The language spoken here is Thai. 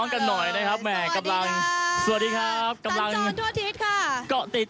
รู้ไม่ว่ากำลังจะบอกคุณผู้ชมว่ากำลังเพลิน